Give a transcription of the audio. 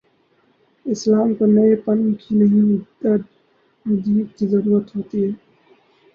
اسلام کو نئے پن کی نہیں، تجدید کی ضرورت ہو تی ہے۔